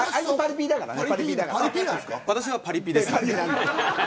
私はパリピです。